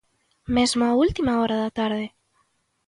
Mesmo a última hora da tarde.